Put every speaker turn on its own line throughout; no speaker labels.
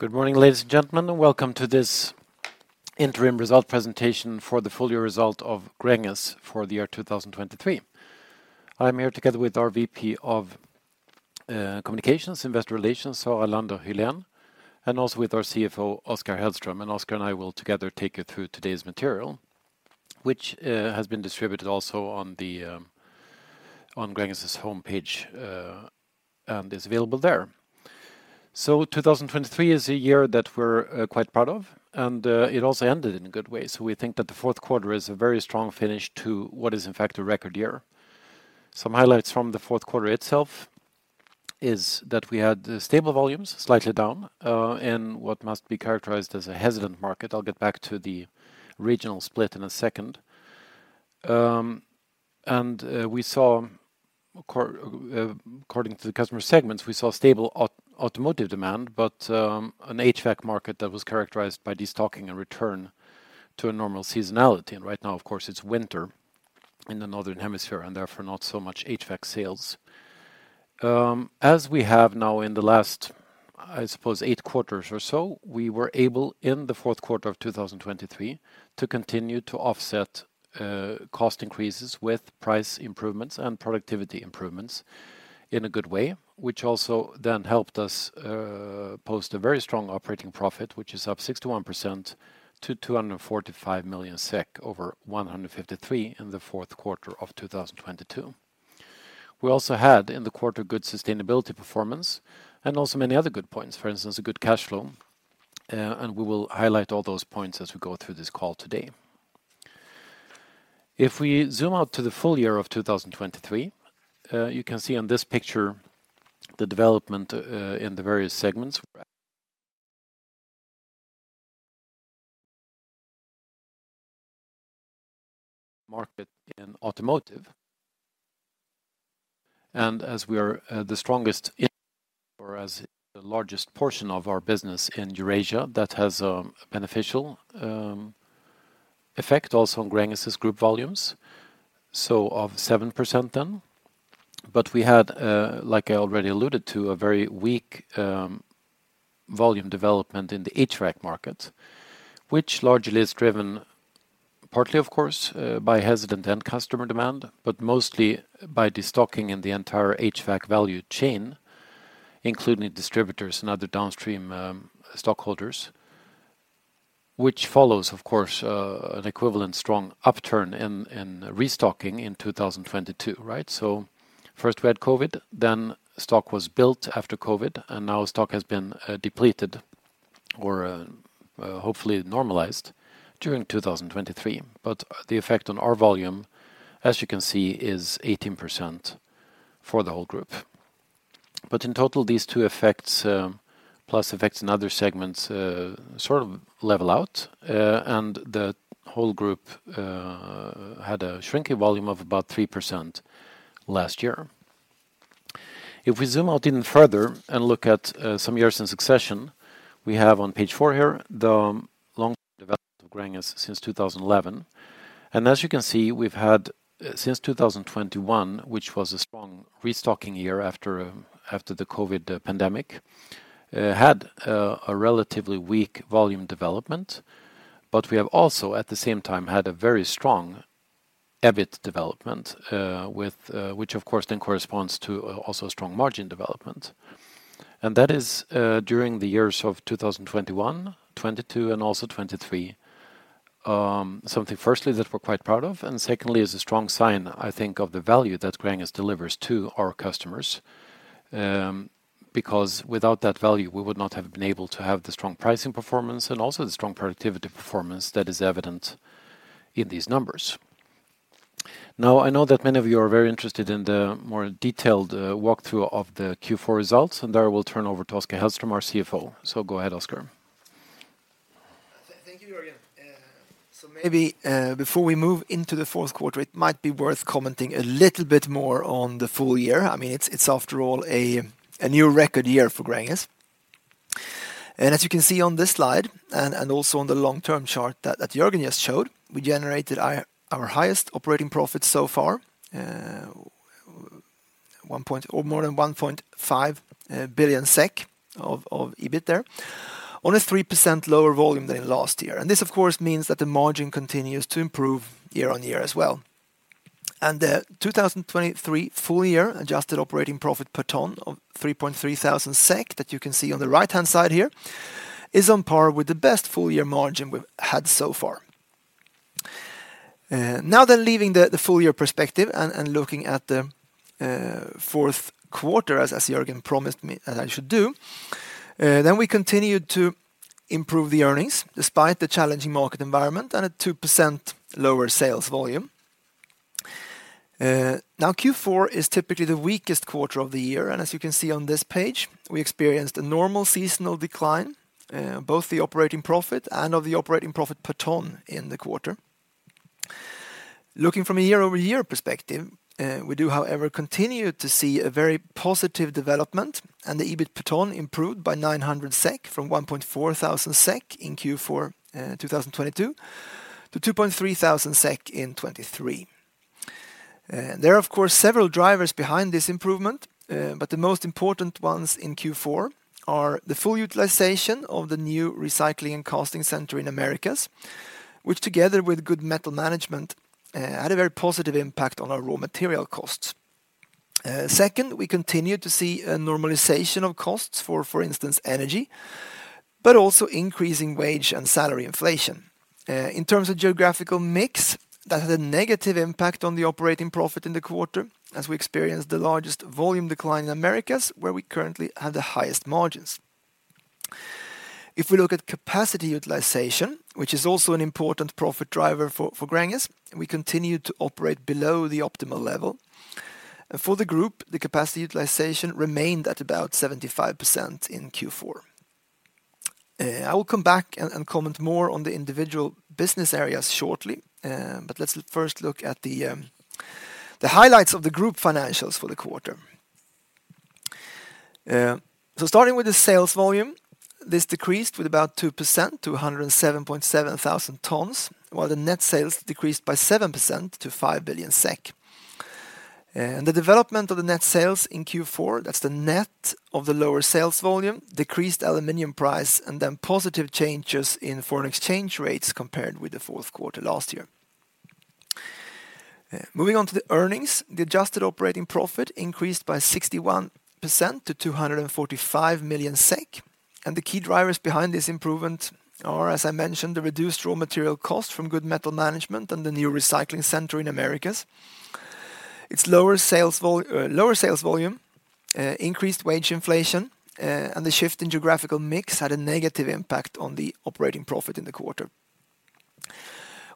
Good morning, ladies and gentlemen. Welcome to this interim result presentation for the full year result of Gränges for the year 2023. I'm here together with our VP of Communications, Investor Relations, Sara Lander Hyléen, and also with our CFO, Oskar Hellström. Oskar and I will together take you through today's material, which has been distributed also on Gränges's homepage, and is available there. 2023 is a year that we're quite proud of, and it also ended in a good way. We think that the Q4 is a very strong finish to what is, in fact, a record year. Some highlights from the Q4 itself is that we had stable volumes, slightly down, in what must be characterized as a hesitant market. I'll get back to the regional split in a second. We saw, according to the customer segments, we saw stable automotive demand, but an HVAC market that was characterized by destocking and return to a normal seasonality. And right now, of course, it's winter in the Northern Hemisphere, and therefore, not so much HVAC sales. As we have now in the last, I suppose, 8 quarters or so, we were able, in the Q4 of 2023, to continue to offset cost increases with price improvements and productivity improvements in a good way, which also then helped us post a very strong operating profit, which is up 61% to 245 million SEK, over 153 million in the Q4 of 2022. We also had, in the quarter, good sustainability performance and also many other good points, for instance, a good cash flow, and we will highlight all those points as we go through this call today. If we zoom out to the full year of 2023, you can see on this picture the development, in the various segments. Market in automotive. And as we are, the strongest in... Or as the largest portion of our business in Eurasia, that has a beneficial, effect also on Gränges's group volumes, so of 7% then. But we had, like I already alluded to, a very weak, volume development in the HVAC market, which largely is driven, partly, of course, by hesitant end customer demand, but mostly by destocking in the entire HVAC value chain, including distributors and other downstream, stockholders, which follows, of course, an equivalent strong upturn in restocking in 2022, right? So first, we had COVID, then stock was built after COVID, and now stock has been depleted or, hopefully normalized during 2023. But the effect on our volume, as you can see, is 18% for the whole group. But in total, these two effects, plus effects in other segments, sort of level out, and the whole group had a shrinking volume of about 3% last year. If we zoom out even further and look at some years in succession, we have on page four here, the long development of Gränges since 2011. And as you can see, we've had since 2021, which was a strong restocking year after the COVID pandemic had a relatively weak volume development. But we have also, at the same time, had a very strong EBIT development with which of course then corresponds to also a strong margin development. And that is during the years of 2021, 2022, and also 2023. Something firstly, that we're quite proud of, and secondly, is a strong sign, I think, of the value that Gränges delivers to our customers. Because without that value, we would not have been able to have the strong pricing performance and also the strong productivity performance that is evident in these numbers. Now, I know that many of you are very interested in the more detailed walkthrough of the Q4 results, and there I will turn over to Oskar Hellström, our CFO. So go ahead, Oskar.
Thank you, Jörgen. So maybe before we move into the Q4, it might be worth commenting a little bit more on the full year. I mean, it's after all a new record year for Gränges. And as you can see on this slide, and also on the long-term chart that Jörgen just showed, we generated our highest operating profit so far, more than 1.5 billion SEK of EBIT there, on a 3% lower volume than last year. And this, of course, means that the margin continues to improve year-on-year as well. The 2023 full year adjusted operating profit per ton of 3.3 thousand SEK, that you can see on the right-hand side here, is on par with the best full year margin we've had so far. Now that leaving the full year perspective and looking at the Q4, as Jörgen promised me that I should do, then we continued to improve the earnings despite the challenging market environment and a 2% lower sales volume. Now, Q4 is typically the weakest quarter of the year, and as you can see on this page, we experienced a normal seasonal decline both the operating profit and of the operating profit per ton in the quarter. Looking from a year-over-year perspective, we do, however, continue to see a very positive development, and the EBIT per ton improved by 900 SEK, from 1,400 SEK in Q4 2022, to 2,300 SEK in 2023. There are, of course, several drivers behind this improvement, but the most important ones in Q4 are the full utilization of the new recycling and casting center in Americas, which, together with good metal management, had a very positive impact on our raw material costs. Second, we continued to see a normalization of costs, for instance, energy, but also increasing wage and salary inflation. In terms of geographical mix, that had a negative impact on the operating profit in the quarter as we experienced the largest volume decline in Americas, where we currently have the highest margins. If we look at capacity utilization, which is also an important profit driver for Gränges, we continued to operate below the optimal level. For the group, the capacity utilization remained at about 75% in Q4. I will come back and comment more on the individual business areas shortly, but let's first look at the highlights of the group financials for the quarter. So starting with the sales volume, this decreased with about 2% to 107,700 tons, while the net sales decreased by 7% to 5 billion SEK. And the development of the net sales in Q4, that's the net of the lower sales volume, decreased aluminum price, and then positive changes in foreign exchange rates compared with the Q4 last year. Moving on to the earnings, the adjusted operating profit increased by 61% to 245 million SEK, and the key drivers behind this improvement are, as I mentioned, the reduced raw material cost from good metal management and the new recycling center in Americas. Its lower sales volume, increased wage inflation, and the shift in geographical mix had a negative impact on the operating profit in the quarter.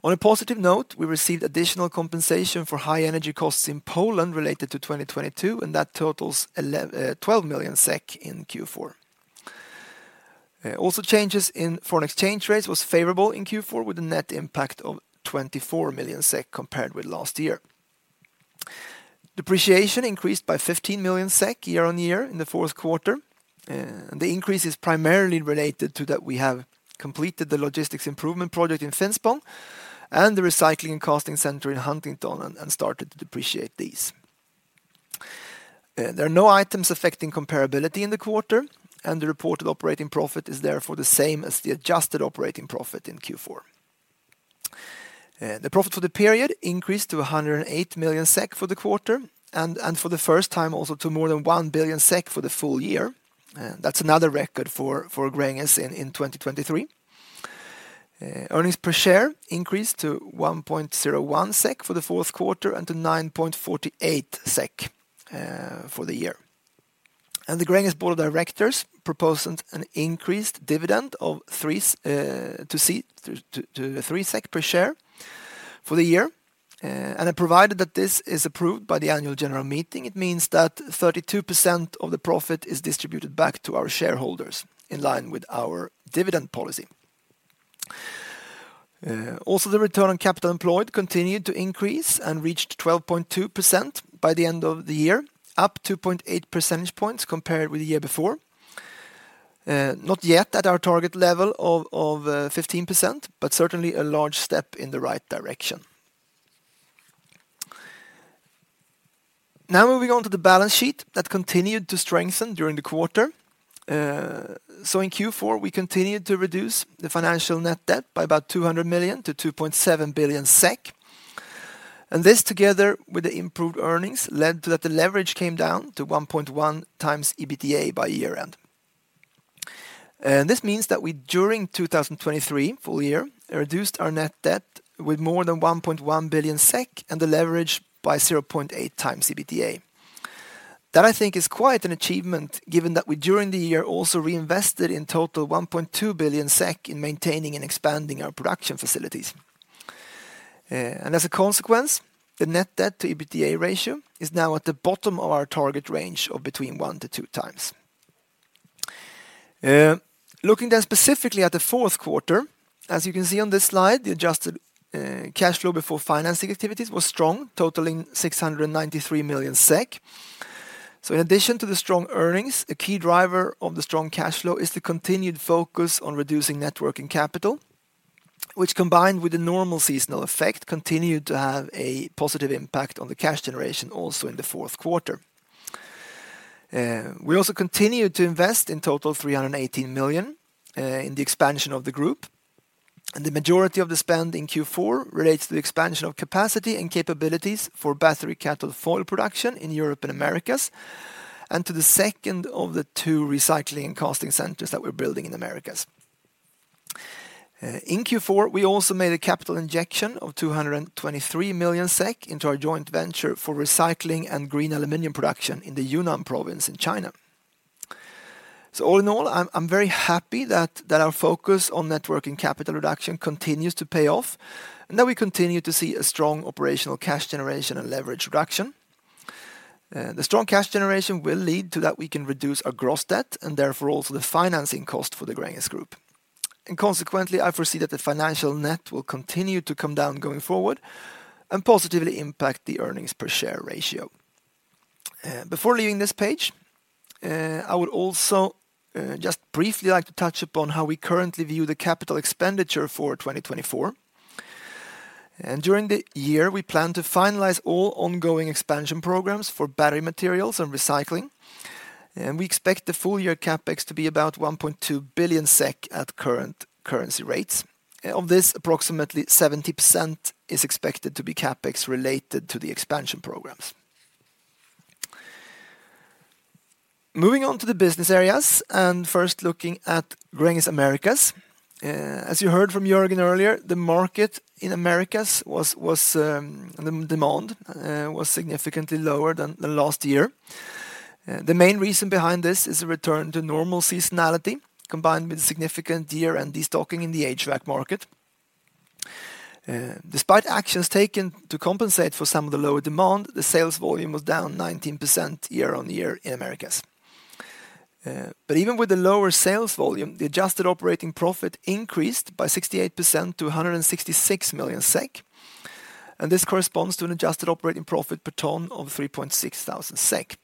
On a positive note, we received additional compensation for high energy costs in Poland related to 2022, and that totals twelve million SEK in Q4. Also, changes in foreign exchange rates was favorable in Q4, with a net impact of 24 million SEK compared with last year. Depreciation increased by 15 million SEK year-on-year in the Q4, and the increase is primarily related to that we have completed the logistics improvement project in Finspång and the recycling and casting center in Huntington and started to depreciate these. There are no items affecting comparability in the quarter, and the reported operating profit is therefore the same as the adjusted operating profit in Q4. The profit for the period increased to 108 million SEK for the quarter, and for the first time, also to more than 1 billion SEK for the full year. That's another record for Gränges in 2023. Earnings per share increased to 1.01 SEK for the Q4 and to 9.48 SEK for the year. The Gränges board of directors proposed an increased dividend of 3 SEK per share for the year. Provided that this is approved by the annual general meeting, it means that 32% of the profit is distributed back to our shareholders in line with our dividend policy. Also, the return on capital employed continued to increase and reached 12.2% by the end of the year, up 2.8 percentage points compared with the year before. Not yet at our target level of 15%, but certainly a large step in the right direction. Now, moving on to the balance sheet, that continued to strengthen during the quarter. So in Q4, we continued to reduce the financial net debt by about 200 million-2.7 billion SEK, and this, together with the improved earnings, led to that the leverage came down to 1.1 times EBITDA by year-end. And this means that we, during 2023 full year, reduced our net debt with more than 1.1 billion SEK and the leverage by 0.8 times EBITDA. That, I think, is quite an achievement, given that we, during the year, also reinvested in total 1.2 billion SEK in maintaining and expanding our production facilities. And as a consequence, the net debt to EBITDA ratio is now at the bottom of our target range of between 1-2 times. Looking then specifically at the Q4, as you can see on this slide, the adjusted cash flow before financing activities was strong, totaling 693 million SEK. So in addition to the strong earnings, a key driver of the strong cash flow is the continued focus on reducing net working capital, which, combined with the normal seasonal effect, continued to have a positive impact on the cash generation also in the Q4. We also continued to invest in total 318 million in the expansion of the group, and the majority of the spend in Q4 relates to the expansion of capacity and capabilities for battery cathode foil production in Europe and Americas, and to the second of the two recycling and casting centers that we're building in Americas. In Q4, we also made a capital injection of 223 million SEK into our joint venture for recycling and green aluminum production in the Yunnan province in China. So all in all, I'm, I'm very happy that, that our focus on net working capital reduction continues to pay off, and that we continue to see a strong operational cash generation and leverage reduction. The strong cash generation will lead to that we can reduce our gross debt and therefore also the financing cost for the Gränges group. And consequently, I foresee that the financial net will continue to come down going forward and positively impact the earnings per share ratio... Before leaving this page, I would also just briefly like to touch upon how we currently view the capital expenditure for 2024. During the year, we plan to finalize all ongoing expansion programs for battery materials and recycling, and we expect the full year CapEx to be about 1.2 billion SEK at current currency rates. Of this, approximately 70% is expected to be CapEx related to the expansion programs. Moving on to the business areas, and first looking at Gränges Americas. As you heard from Jörgen earlier, the market in Americas, the demand was significantly lower than the last year. The main reason behind this is a return to normal seasonality, combined with significant year-end destocking in the HVAC market. Despite actions taken to compensate for some of the lower demand, the sales volume was down 19% year-on-year in Americas. But even with the lower sales volume, the adjusted operating profit increased by 68% to 166 million SEK, and this corresponds to an adjusted operating profit per ton of 3,600 SEK.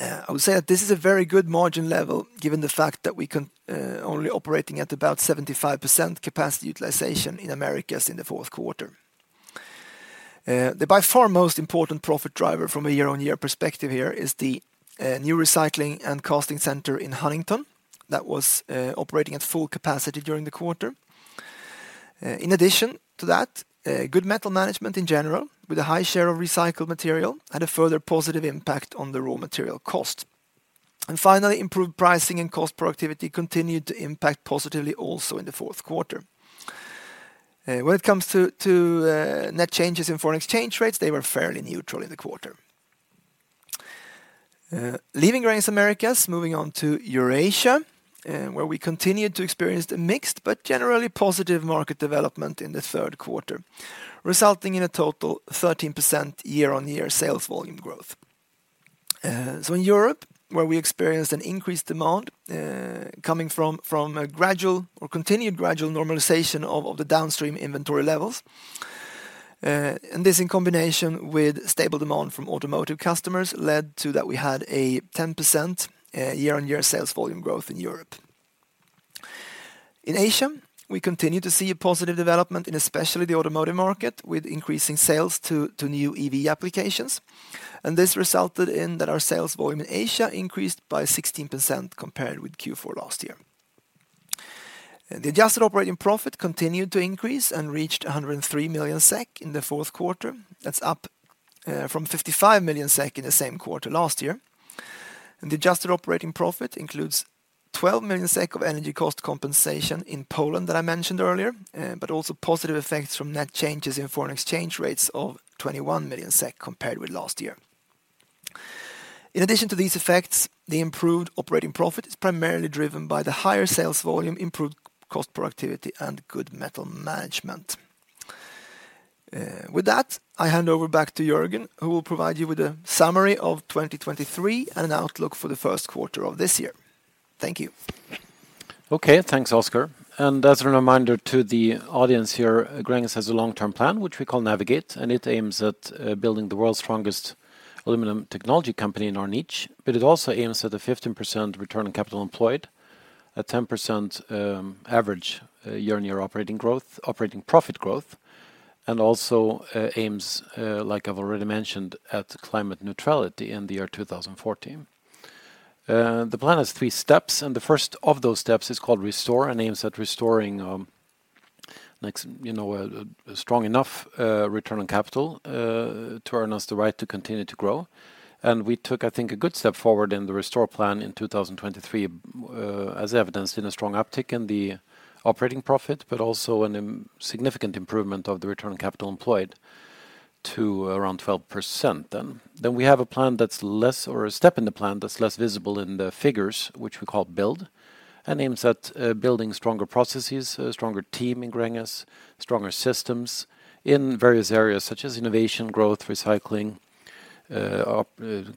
I would say that this is a very good margin level, given the fact that we only operating at about 75% capacity utilization in Americas in the Q4. The by far most important profit driver from a year-on-year perspective here is the new recycling and casting center in Huntington that was operating at full capacity during the quarter. In addition to that, good metal management in general, with a high share of recycled material, had a further positive impact on the raw material cost. And finally, improved pricing and cost productivity continued to impact positively also in the Q4. When it comes to, to, net changes in foreign exchange rates, they were fairly neutral in the quarter. Leaving Gränges Americas, moving on to Eurasia, where we continued to experience the mixed, but generally positive market development in the Q3, resulting in a total 13% year-on-year sales volume growth. So in Europe, where we experienced an increased demand, coming from, from a gradual or continued gradual normalization of, of the downstream inventory levels, and this in combination with stable demand from automotive customers, led to that we had a 10% year-on-year sales volume growth in Europe. In Asia, we continued to see a positive development in especially the automotive market, with increasing sales to new EV applications. And this resulted in that our sales volume in Asia increased by 16% compared with Q4 last year. The adjusted operating profit continued to increase and reached 103 million SEK in the Q4. That's up from 55 million SEK in the same quarter last year. The adjusted operating profit includes 12 million SEK of energy cost compensation in Poland that I mentioned earlier, but also positive effects from net changes in foreign exchange rates of 21 million SEK compared with last year. In addition to these effects, the improved operating profit is primarily driven by the higher sales volume, improved cost productivity, and good metal management. With that, I hand over back to Jörgen, who will provide you with a summary of 2023 and an outlook for the Q1 of this year. Thank you.
Okay, thanks, Oskar. As a reminder to the audience here, Gränges has a long-term plan, which we call Navigate, and it aims at building the world's strongest aluminum technology company in our niche, but it also aims at a 15% return on capital employed, a 10% average year-on-year operating growth, operating profit growth, and also aims, like I've already mentioned, at climate neutrality in the year 2014. The plan has three steps, and the first of those steps is called Restore, and aims at restoring, you know, a strong enough return on capital to earn us the right to continue to grow. And we took, I think, a good step forward in the Restore plan in 2023, as evidenced in a strong uptick in the operating profit, but also in a significant improvement of the return on capital employed to around 12% then. Then we have a plan that's less, or a step in the plan that's less visible in the figures, which we call Build, and aims at building stronger processes, a stronger team in Gränges, stronger systems in various areas such as innovation, growth, recycling,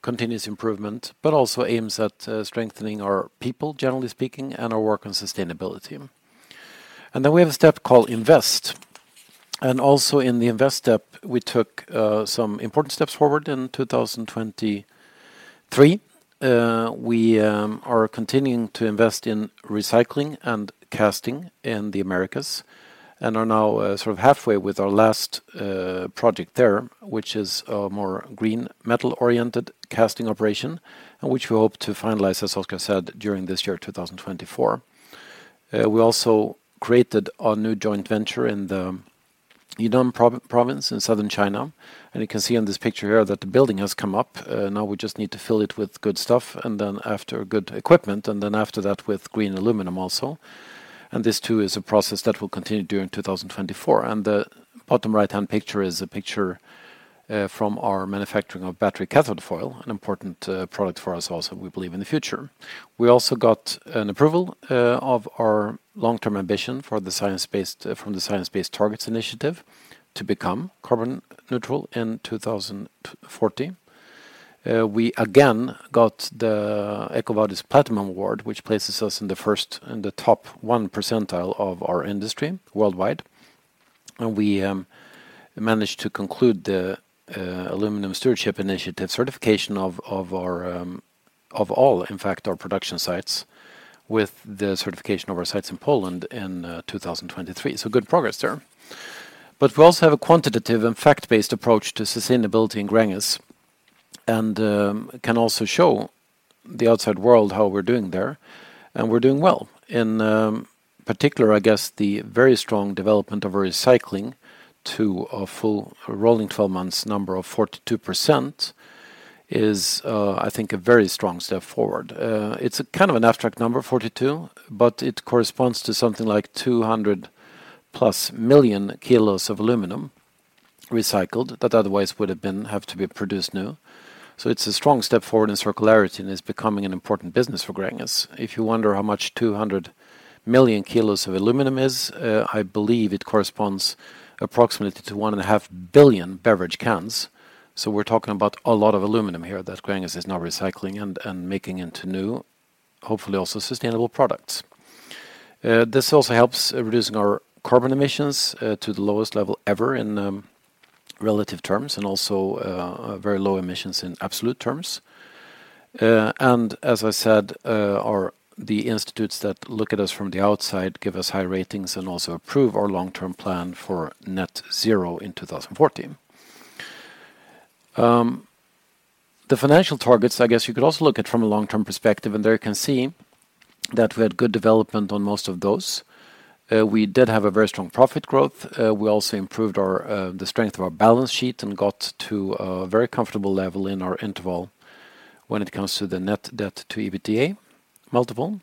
continuous improvement, but also aims at strengthening our people, generally speaking, and our work on sustainability. And then we have a step called Invest. And also in the Invest step, we took some important steps forward in 2023. We are continuing to invest in recycling and casting in the Americas, and are now sort of halfway with our last project there, which is a more green, metal-oriented casting operation, and which we hope to finalize, as Oskar said, during this year, 2024. We also created our new joint venture in the Yunnan province in southern China, and you can see on this picture here that the building has come up. Now we just need to fill it with good stuff, and then after good equipment, and then after that, with green aluminum also. This, too, is a process that will continue during 2024. The bottom right-hand picture is a picture from our manufacturing of battery cathode foil, an important product for us also, we believe in the future. We also got an approval of our long-term ambition for the science-based from the Science Based Targets initiative to become carbon neutral in 2040. We again got the EcoVadis Platinum Award, which places us in the first, in the top 1% of our industry worldwide... And we managed to conclude the Aluminum Stewardship Initiative certification of all, in fact, our production sites, with the certification of our sites in Poland in 2023. So good progress there. But we also have a quantitative and fact-based approach to sustainability in Gränges, and can also show the outside world how we're doing there, and we're doing well. In particular, I guess the very strong development of our recycling to a full rolling twelve months number of 42% is, I think, a very strong step forward. It's a kind of an abstract number, 42, but it corresponds to something like 200+ million kilos of aluminum recycled that otherwise would have been, have to be produced new. So it's a strong step forward in circularity, and it's becoming an important business for Gränges. If you wonder how much 200 million kilos of aluminum is, I believe it corresponds approximately to 1.5 billion beverage cans. So we're talking about a lot of aluminum here that Gränges is now recycling and, and making into new, hopefully also sustainable products. This also helps reducing our carbon emissions to the lowest level ever in relative terms, and also very low emissions in absolute terms. And as I said, our the institutes that look at us from the outside give us high ratings and also approve our long-term plan for net zero in 2040. The financial targets, I guess you could also look at from a long-term perspective, and there you can see that we had good development on most of those. We did have a very strong profit growth. We also improved our the strength of our balance sheet and got to a very comfortable level in our interval when it comes to the net debt to EBITDA multiple.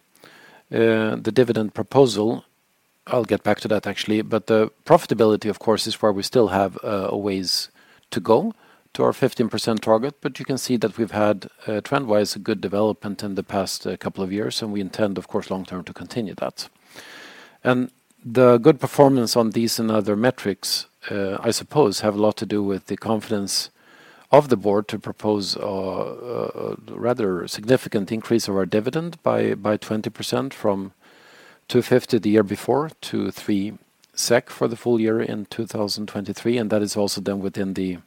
The dividend proposal, I'll get back to that, actually, but the profitability, of course, is where we still have a ways to go to our 15% target. But you can see that we've had trend-wise, a good development in the past couple of years, and we intend, of course, long term, to continue that. And the good performance on these and other metrics, I suppose, have a lot to do with the confidence of the board to propose a rather significant increase of our dividend by 20%, from 2.50 SEK the year before to 3 SEK for the full year in 2023, and that is also done within the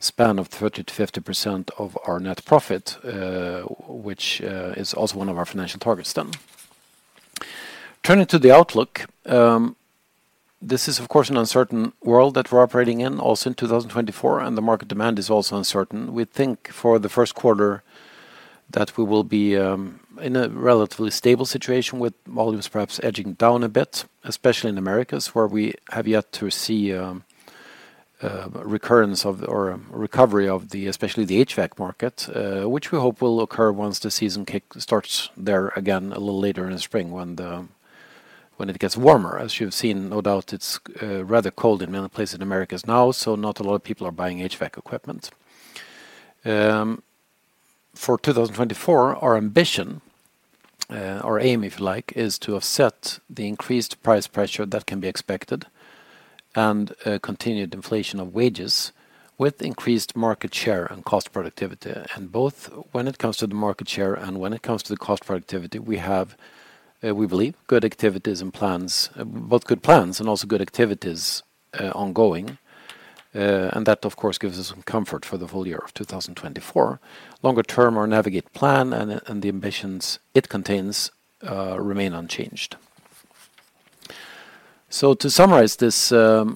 span of 30%-50% of our net profit, which is also one of our financial targets then. Turning to the outlook, this is, of course, an uncertain world that we're operating in, also in 2024, and the market demand is also uncertain. We think for the Q1 that we will be in a relatively stable situation, with volumes perhaps edging down a bit, especially in Americas, where we have yet to see a recurrence of or recovery of the, especially the HVAC market, which we hope will occur once the season kicks starts there again, a little later in the spring, when it gets warmer. As you've seen, no doubt, it's rather cold in many places in Americas now, so not a lot of people are buying HVAC equipment. For 2024, our ambition, or aim, if you like, is to offset the increased price pressure that can be expected and continued inflation of wages with increased market share and cost productivity. And both when it comes to the market share and when it comes to the cost productivity, we have, we believe, good activities and plans, both good plans and also good activities, ongoing. And that, of course, gives us some comfort for the full year of 2024. Longer term, our Navigate plan and the ambitions it contains remain unchanged. So to summarize this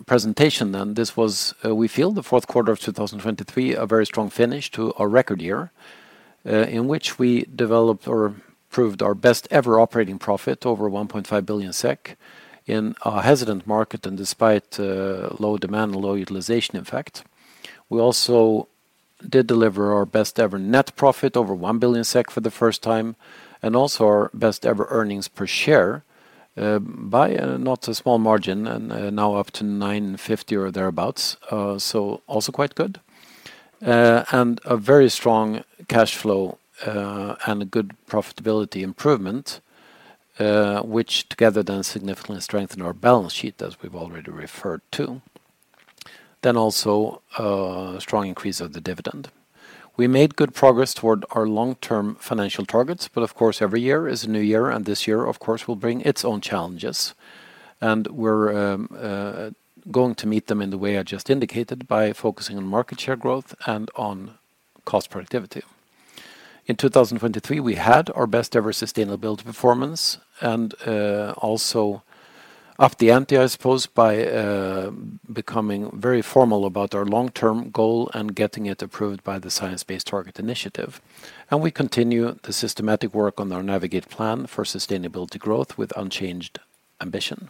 presentation, then, this was, we feel, the Q4 of 2023, a very strong finish to a record year, in which we developed or improved our best-ever operating profit, over 1.5 billion SEK, in a hesitant market and despite low demand and low utilization, in fact. We also did deliver our best-ever net profit, over 1 billion SEK for the first time, and also our best-ever earnings per share, by not a small margin, and now up to 9.50 or thereabouts, so also quite good. And a very strong cash flow, and a good profitability improvement, which together then significantly strengthen our balance sheet, as we've already referred to. Then also, strong increase of the dividend. We made good progress toward our long-term financial targets, but of course, every year is a new year, and this year, of course, will bring its own challenges. We're going to meet them in the way I just indicated, by focusing on market share growth and on cost productivity. In 2023, we had our best-ever sustainability performance and also up the ante, I suppose, by becoming very formal about our long-term goal and getting it approved by the Science Based Targets initiative. We continue the systematic work on our Navigate Plan for sustainability growth with unchanged ambition.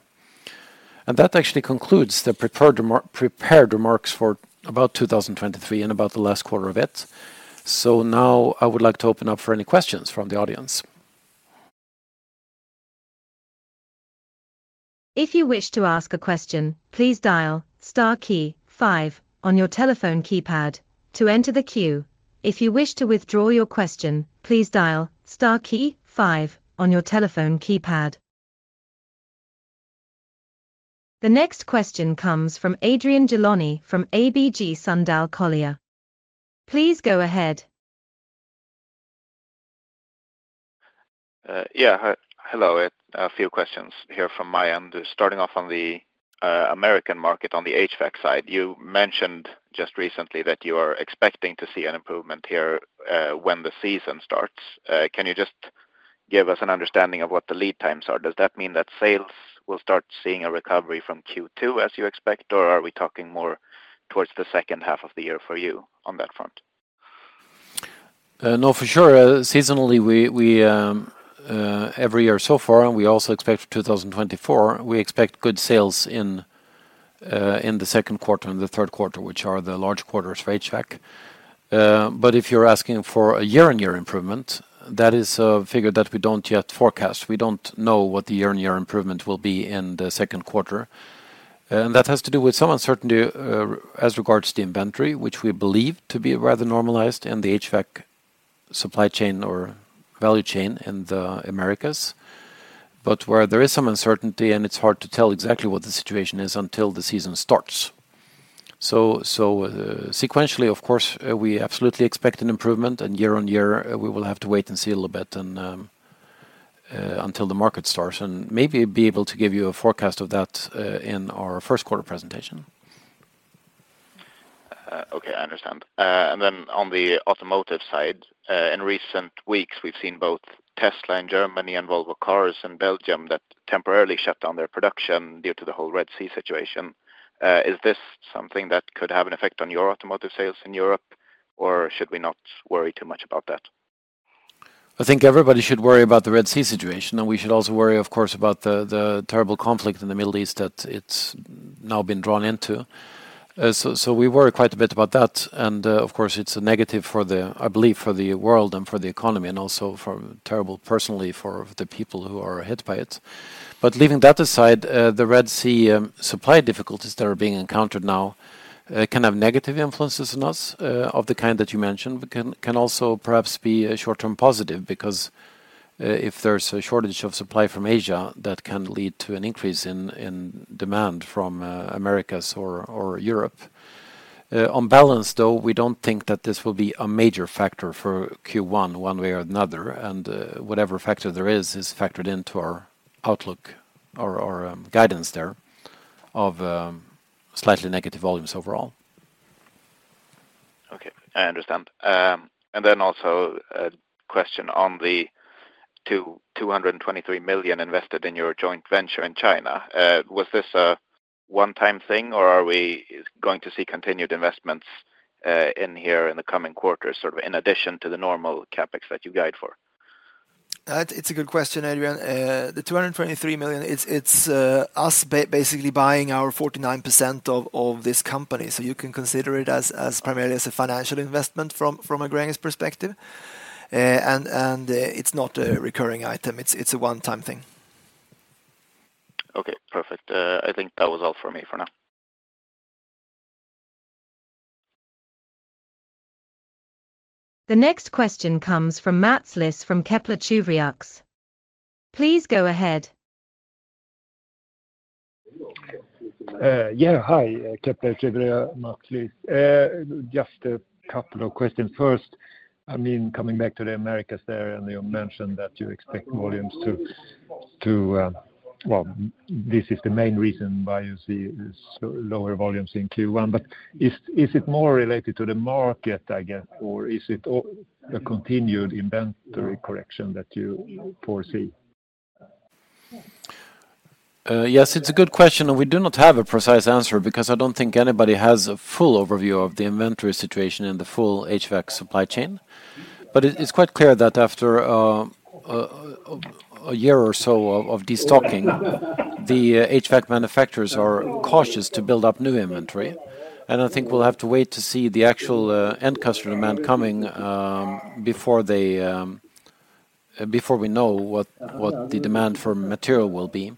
That actually concludes the prepared remarks for about 2023 and about the last quarter of it. So now I would like to open up for any questions from the audience.
If you wish to ask a question, please dial star key five on your telephone keypad to enter the queue. If you wish to withdraw your question, please dial star key five on your telephone keypad. The next question comes from Adrian Gilani from ABG Sundal Collier. Please go ahead....
Yeah. Hello, a few questions here from my end. Starting off on the American market, on the HVAC side, you mentioned just recently that you are expecting to see an improvement here, when the season starts. Can you just give us an understanding of what the lead times are? Does that mean that sales will start seeing a recovery from Q2, as you expect, or are we talking more towards the second half of the year for you on that front?
No, for sure. Seasonally, we every year so far, and we also expect for 2024, we expect good sales in the Q2 and the Q3, which are the large quarters for HVAC. But if you're asking for a year-on-year improvement, that is a figure that we don't yet forecast. We don't know what the year-on-year improvement will be in the Q2, and that has to do with some uncertainty as regards to the inventory, which we believe to be rather normalized in the HVAC supply chain or value chain in the Americas. But where there is some uncertainty, and it's hard to tell exactly what the situation is until the season starts. So, sequentially, of course, we absolutely expect an improvement, and year-on-year, we will have to wait and see a little bit and until the market starts, and maybe be able to give you a forecast of that, in our Q1 presentation.
Okay, I understand. And then on the automotive side, in recent weeks, we've seen both Tesla in Germany and Volvo Cars in Belgium that temporarily shut down their production due to the whole Red Sea situation. Is this something that could have an effect on your automotive sales in Europe, or should we not worry too much about that?
I think everybody should worry about the Red Sea situation, and we should also worry, of course, about the terrible conflict in the Middle East that it's now been drawn into. So we worry quite a bit about that, and, of course, it's a negative, I believe, for the world and for the economy, and also terribly personally, for the people who are hit by it. But leaving that aside, the Red Sea supply difficulties that are being encountered now can have negative influences on us, of the kind that you mentioned, but can also perhaps be a short-term positive, because if there's a shortage of supply from Asia, that can lead to an increase in demand from Americas or Europe. On balance, though, we don't think that this will be a major factor for Q1 one way or another, and whatever factor there is, is factored into our outlook or guidance there of slightly negative volumes overall.
Okay, I understand. And then also a question on the 223 million invested in your joint venture in China. Was this a one-time thing, or are we going to see continued investments in here in the coming quarters, sort of, in addition to the normal CapEx that you guide for?
It's a good question, Adrian. The 223 million, it's basically buying our 49 percent of this company. So you can consider it as primarily as a financial investment from a Gränges perspective. It's not a recurring item. It's a one-time thing.
Okay, perfect. I think that was all for me for now.
The next question comes from Mats Liss from Kepler Cheuvreux. Please go ahead.
Yeah. Hi, Kepler Cheuvreux, Mats Liss. Just a couple of questions. First, I mean, coming back to the Americas there, and you mentioned that you expect volumes to... Well, this is the main reason why you see so lower volumes in Q1, but is it more related to the market, I guess, or is it a continued inventory correction that you foresee?
Yes, it's a good question, and we do not have a precise answer because I don't think anybody has a full overview of the inventory situation in the full HVAC supply chain. But it's quite clear that after a year or so of destocking, the HVAC manufacturers are cautious to build up new inventory, and I think we'll have to wait to see the actual end customer demand coming before they before we know what the demand for material will be,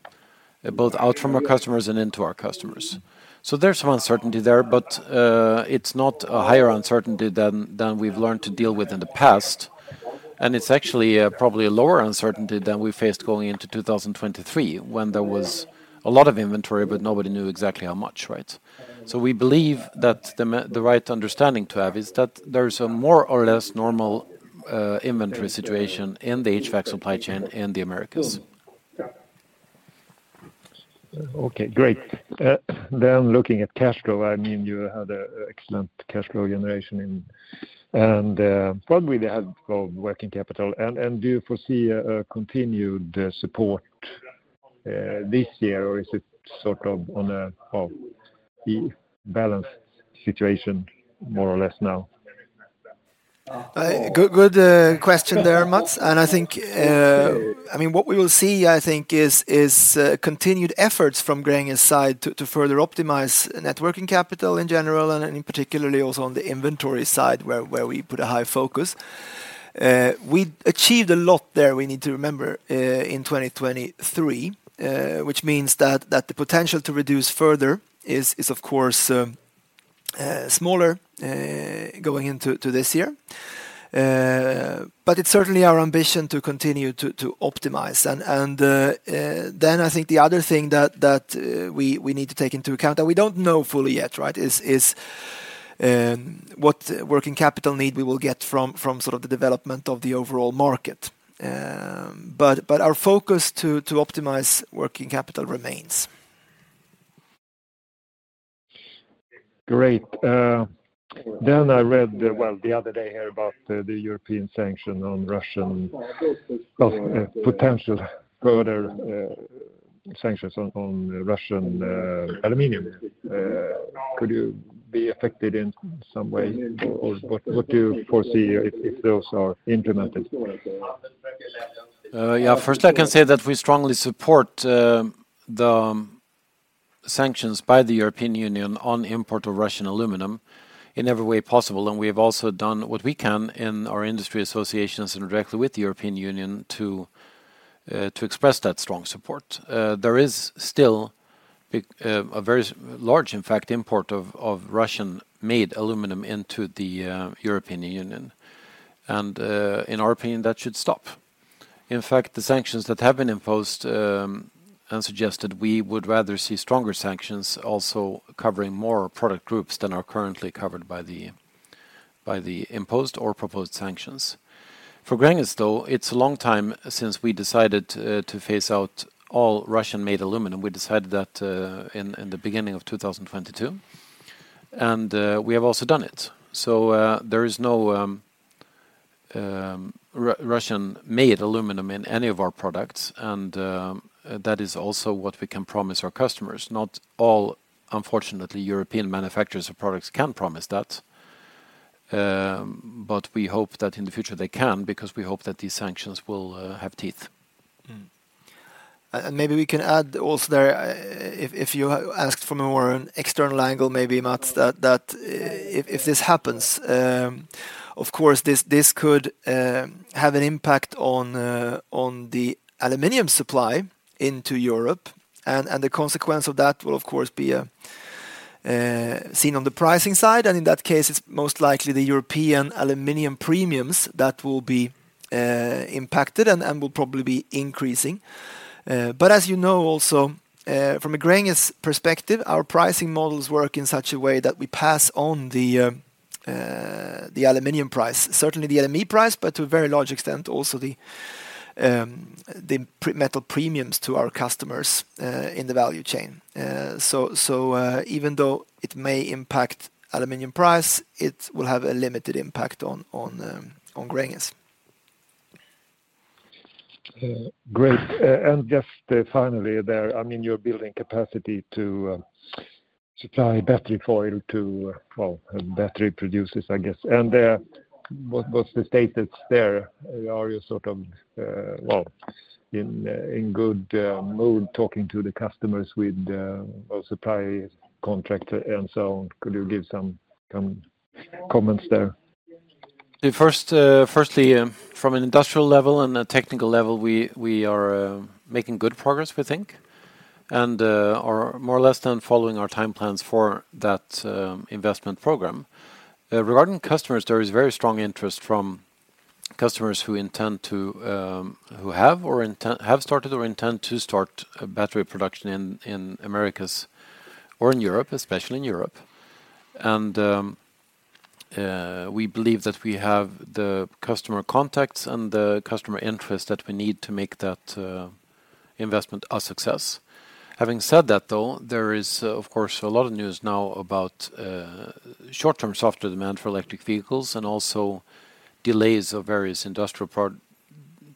both out from our customers and into our customers. So there's some uncertainty there, but it's not a higher uncertainty than we've learned to deal with in the past, and it's actually probably a lower uncertainty than we faced going into 2023, when there was a lot of inventory, but nobody knew exactly how much, right? So we believe that the right understanding to have is that there is a more or less normal inventory situation in the HVAC supply chain in the Americas.
Okay, great. Then looking at cash flow, I mean, you had excellent cash flow generation in... And, probably they have working capital. And, do you foresee a continued support this year, or is it sort of on a balanced situation more or less now?
Good, good question there, Mats. I think, I mean, what we will see, I think, is continued efforts from Gränges' side to further optimize net working capital in general and particularly also on the inventory side, where we put a high focus. We achieved a lot there, we need to remember, in 2023, which means that the potential to reduce further is, of course, smaller going into this year. But it's certainly our ambition to continue to optimize. Then I think the other thing that we need to take into account, that we don't know fully yet, right, is what working capital need we will get from sort of the development of the overall market. But our focus to optimize working capital remains.
Great. Then I read, well, the other day here about the European sanction on Russian of potential further sanctions on Russian aluminum. Could you be affected in some way, or what do you foresee if those are implemented?
Yeah, first I can say that we strongly support the sanctions by the European Union on import of Russian aluminum in every way possible, and we have also done what we can in our industry associations and directly with the European Union to express that strong support. There is still big, a very large, in fact, import of Russian-made aluminum into the European Union, and in our opinion, that should stop. In fact, the sanctions that have been imposed and suggested, we would rather see stronger sanctions also covering more product groups than are currently covered by the imposed or proposed sanctions. For Gränges, though, it's a long time since we decided to phase out all Russian-made aluminum. We decided that, in the beginning of 2022, and we have also done it. So, there is no Russian-made aluminum in any of our products, and that is also what we can promise our customers. Not all, unfortunately, European manufacturers of products can promise that, but we hope that in the future they can, because we hope that these sanctions will have teeth.
Mm-hmm. And maybe we can add also there, if you asked from a more external angle, maybe, Mats, that if this happens, of course, this could have an impact on the aluminum supply into Europe, and the consequence of that will of course be seen on the pricing side, and in that case, it's most likely the European aluminum premiums that will be impacted and will probably be increasing. But as you know also, from a Gränges perspective, our pricing models work in such a way that we pass on the aluminum price, certainly the LME price, but to a very large extent, also the metal premiums to our customers in the value chain. Even though it may impact aluminum price, it will have a limited impact on Gränges.
Great. And just finally there, I mean, you're building capacity to supply battery foil to well, battery producers, I guess. What's the status there? Are you sort of well in good mood talking to the customers with or supply contract and so on? Could you give some comments there?
First, firstly, from an industrial level and a technical level, we are making good progress, we think, and are more or less following our time plans for that investment program. Regarding customers, there is very strong interest from customers who have started or intend to start a battery production in Americas or in Europe, especially in Europe. And we believe that we have the customer contacts and the customer interest that we need to make that investment a success. Having said that, though, there is of course a lot of news now about short-term softer demand for electric vehicles and also delays of various industrial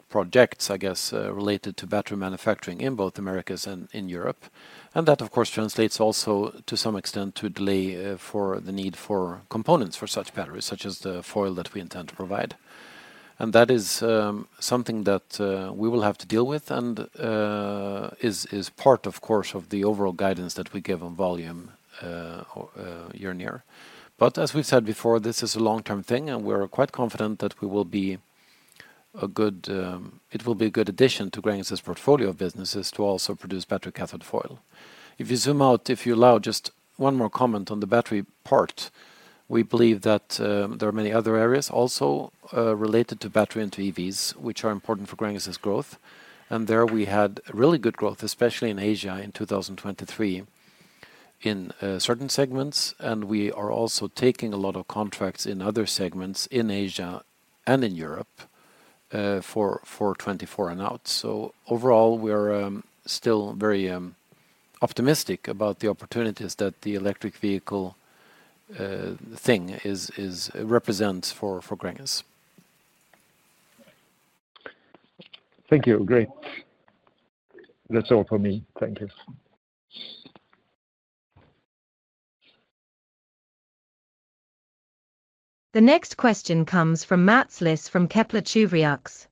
projects, I guess, related to battery manufacturing in both Americas and in Europe. And that, of course, translates also, to some extent, to delay for the need for components for such batteries, such as the foil that we intend to provide. And that is something that we will have to deal with and is part, of course, of the overall guidance that we give on volume year on year. But as we've said before, this is a long-term thing, and we're quite confident that we will be a good it will be a good addition to Gränges' portfolio of businesses to also produce battery cathode foil. If you zoom out, if you allow just one more comment on the battery part, we believe that there are many other areas also related to battery and to EVs, which are important for Gränges' growth. There, we had really good growth, especially in Asia, in 2023, in certain segments, and we are also taking a lot of contracts in other segments in Asia and in Europe, for 2024 and out. So overall, we're still very optimistic about the opportunities that the electric vehicle thing represents for Gränges.
Thank you. Great. That's all for me. Thank you.
The next question comes from Mats Liss from Kepler Cheuvreux.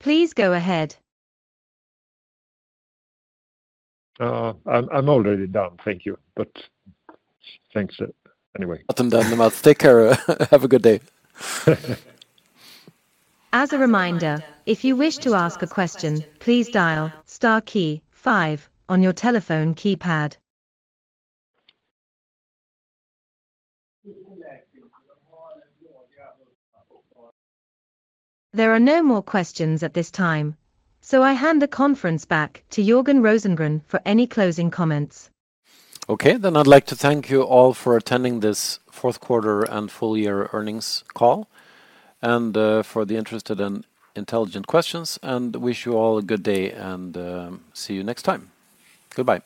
Please go ahead. I'm already done, thank you, but thanks anyway.
Bottom down, Mats. Take care. Have a good day.
As a reminder, if you wish to ask a question, please dial star key five on your telephone keypad. There are no more questions at this time, so I hand the conference back to Jörgen Rosengren for any closing comments.
Okay. I'd like to thank you all for attending this Q4 and full year earnings call, and for the interested and intelligent questions, and wish you all a good day and see you next time. Goodbye.